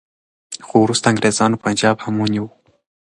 خو وروسته انګریزانو پنجاب هم ونیو.